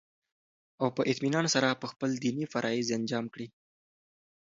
او په اطمينان سره به خپل ديني فرايض انجام كړي